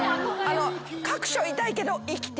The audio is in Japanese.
各所痛いけど生きてる。